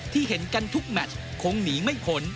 เห็นกันทุกแมทคงหนีไม่พ้น